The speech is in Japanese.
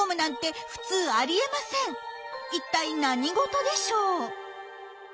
一体何事でしょう？